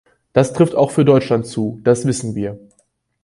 Das trifft auch für Deutschland zu, das wissen wir.